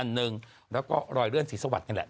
หนึ่งแล้วก็รอยเลื่อนศรีสวัสดินั่นแหละ